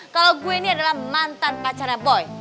kalo gua ini adalah mantan pacarnya boy